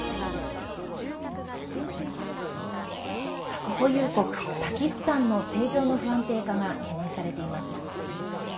核保有国、パキスタンの政情の不安定化が懸念されています。